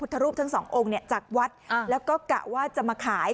สรุปไม่ได้ขาย